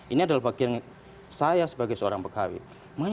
ini adalah bagian saya sebagai seorang pegawai